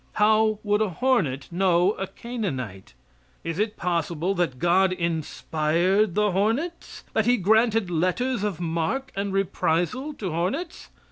How would a hornet know a Canaanite? Is it possible that God inspired the hornets that he granted letters of marque and reprisal to hornets?